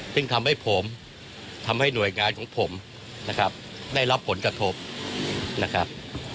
ซึ่งทำให้ผมทำให้หน่วยงานของผมนะครับได้รับผลกระทบนะครับ